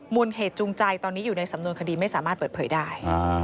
มูลเหตุจูงใจตอนนี้อยู่ในสำนวนคดีไม่สามารถเปิดเผยได้